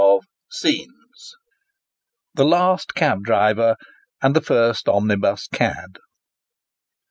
CHAPTER XVII. THE LAST CAB DRIVER, AND THE FIRST OMNIBUS CAD.